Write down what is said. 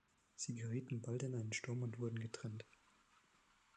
Sie gerieten bald in einen Sturm und wurden getrennt.